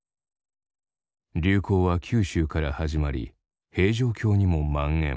流行は九州から始まり平城京にも蔓延。